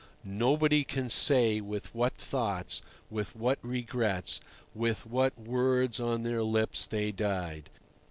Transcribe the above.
Nobody can say with what thoughts, with what regrets, with what words on their lips they died.